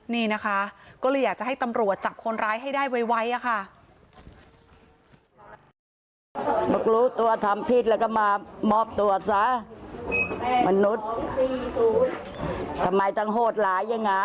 นี่นะคะก็เลยอยากจะให้ตำรวจจับคนร้ายให้ได้ไวอะค่ะ